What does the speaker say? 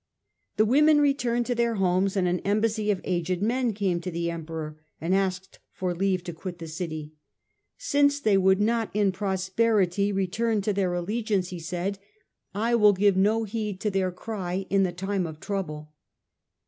The women returned to their homes and an embassy of aged men came to the Emperor and asked for leave to quit the city. " Since they would not in prosperity return to their allegiance," FIRE AND SWORD 185 he said, " I will give no heed to their cry in the time of trouble."